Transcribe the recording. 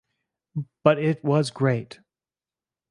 But it was great.